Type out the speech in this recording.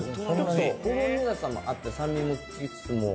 ほろ苦さもあって酸味もききつつも。